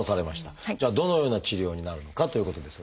じゃあどのような治療になるのかということですが。